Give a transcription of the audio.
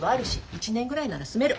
１年ぐらいなら住める。